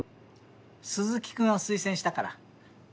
鈴木君を推薦したから。